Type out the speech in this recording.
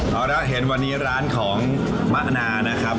เอาละเห็นวันนี้ร้านของมะนานะครับ